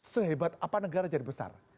sehebat apa negara jadi besar